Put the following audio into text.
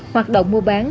hoạt động mua bán